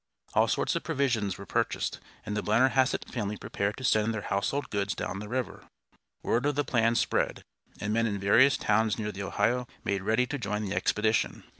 All sorts of provisions were purchased, and the Blennerhassett family prepared to send their household goods down the river. Word of the plans spread, and men in various towns near the Ohio made ready to join the expedition.